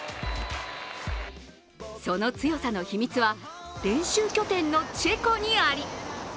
その強さの秘密は練習拠点のチェコにあり。